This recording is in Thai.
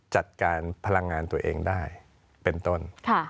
จัดการพลังงานตัวเองได้เป็นต้น